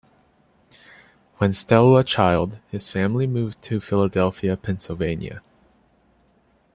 When still a child, his family moved to Philadelphia, Pennsylvania.